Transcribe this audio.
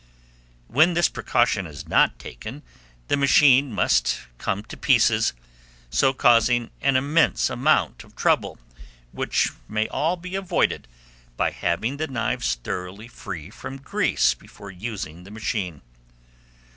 When this precaution is not taken, the machine must come to pieces, so causing an immense amount of trouble, which may all be avoided by having the knives thoroughly free from grease before using the machine.